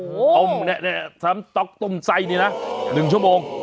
โอ้โหน้ำสต๊อกต้มไส้เนี่ยนะ๑ชั่วโมง